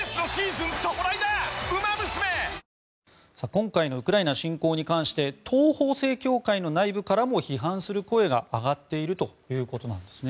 今回のウクライナ侵攻に関して東方正教会の内部からも批判する声が上がっているということです。